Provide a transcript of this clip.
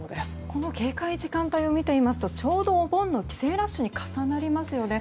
この警戒時間帯を見てみますとちょうどお盆の帰省ラッシュに重なりますよね。